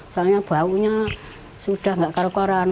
soalnya baunya sudah gak kelekoran